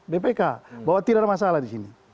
bpk bahwa tidak ada masalah di sini